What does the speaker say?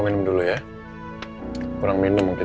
minum dulu ya kurang mirna mungkir